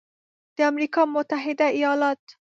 د امریکا متحده ایالات